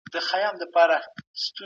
نیکه مي ويلي وو چي تاريخ تکرارېږي.